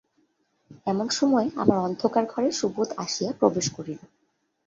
এমন সময়ে আমার অন্ধকার ঘরে সুবোধ আসিয়া প্রবেশ করিল।